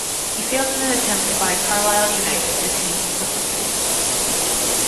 He failed in an attempt to buy Carlisle United, a team he supported.